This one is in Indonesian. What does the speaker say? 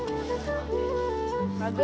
terima kasih pak hendrik